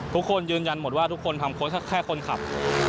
ทุกคนยืนยันหมดว่าทุกคนทำโค้ชแค่คนขับ